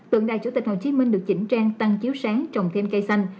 tượng đài chủ tịch hồ chí minh được chỉnh trang tăng chiếu sáng trồng thêm cây xanh